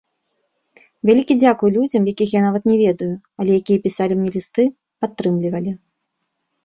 Вялікі дзякуй людзям, якіх я нават не ведаю, але якія пісалі мне лісты, падтрымлівалі.